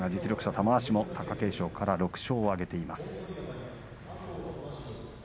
玉鷲も貴景勝から６勝を挙げています。